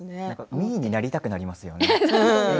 みーになりたくなりますね。